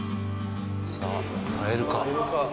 さあ、会えるか。